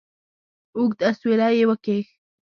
اوږد اسویلی یې وکېښ.